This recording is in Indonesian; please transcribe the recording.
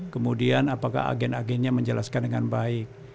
kemudian apakah agen agennya menjelaskan dengan baik